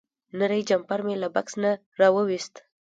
نری جمپر مې له بکس نه راوویست.